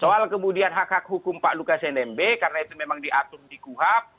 soal kemudian hak hak hukum pak lukas nmb karena itu memang diatur di kuhap